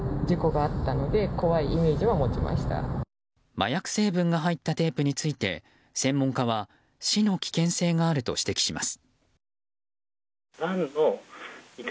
麻薬成分が入ったテープについて専門家は死の危険性があると指摘します。